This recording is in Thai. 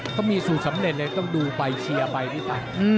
ก็มีสู่สำเร็จเลยต้องดูไปเชียร์ไปไป